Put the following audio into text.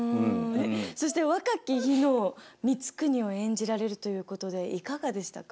そして若き日の光圀を演じられるということでいかがでしたか？